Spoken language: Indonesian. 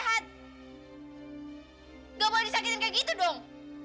nggak boleh disakitin kayak gitu dong